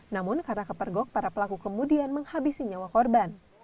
namun karena kepergok para pelaku kemudian menghabisi nyawa korban